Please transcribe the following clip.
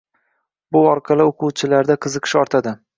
Bu orqali o‘quvchilarda qiziqish ortadi.